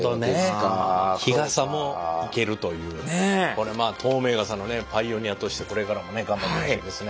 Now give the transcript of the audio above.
これまあ透明傘のねパイオニアとしてこれからもね頑張ってほしいですね。